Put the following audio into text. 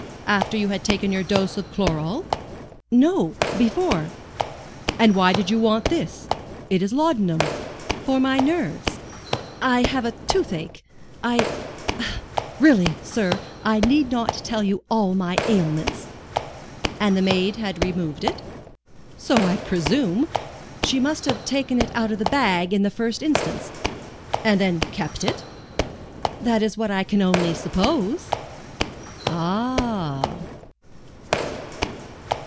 "After you had taken your dose of chloral?" "No, before." "And why did you want this? It is laudanum." "For my nerves. I have a toothache. I I really, sir, I need not tell you all my ailments." "And the maid had removed it?" "So I presume; she must have taken it out of the bag in the first instance." "And then kept it?" "That is what I can only suppose." "Ah!"